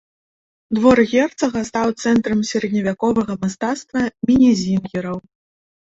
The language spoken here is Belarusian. Двор герцага стаў цэнтрам сярэдневяковага мастацтва мінезінгераў.